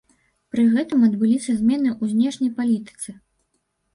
Пры гэтым адбыліся змены ў знешняй палітыцы.